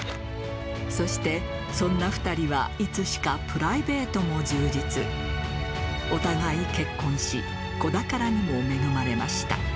そしてそんな２人はいつしかプライベートも充実お互い結婚し子宝にも恵まれました